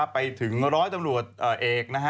ไปถึงร้อยตำรวจเอก